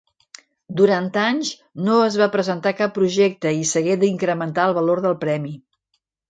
Durant anys no es va presentar cap projecte i s'hagué d'incrementar el valor del premi.